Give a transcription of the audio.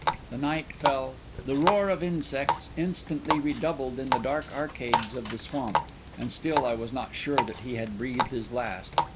The night fell, the roar of insects instantly redoubled in the dark arcades of the swamp; and still I was not sure that he had breathed his last.